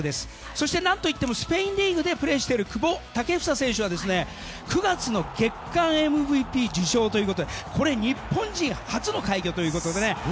そして何といってもスペインリーグでプレーしている久保建英選手は９月の月間ＭＶＰ受賞でこれ、日本人初の快挙ということで。